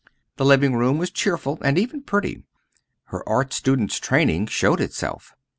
The living room was cheerful and even pretty. Her art student's training showed itself.